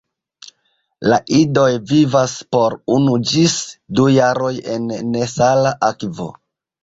La idoj vivas por unu ĝis du jaroj en nesala akvo.